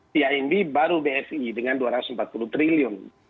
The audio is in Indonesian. timb baru bfi dengan rp dua ratus empat puluh triliun